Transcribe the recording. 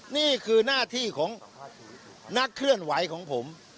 นี่คือหน้าที่ของนักเคลื่อนไหวของผม